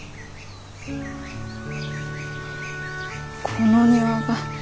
この庭が。